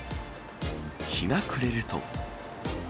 日が暮れると。